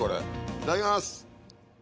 いただきます。